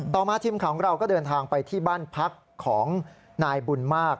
ต่อมาทีมข่าวของเราก็เดินทางไปที่บ้านพักของนายบุญมาก